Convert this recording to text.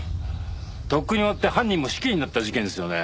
とっくに終わって犯人も死刑になった事件ですよね？